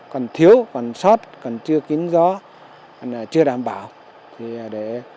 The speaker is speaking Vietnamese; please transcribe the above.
cần thiếu còn sót còn chưa kín gió còn chưa đảm bảo để làm tốt công tác phòng chống rét cho gia súc trong thời gian tới